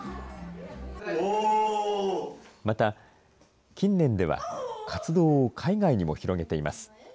また、近年では活動を海外にも広げています。